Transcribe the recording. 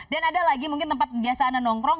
dan ada lagi mungkin tempat biasa anda nongkrong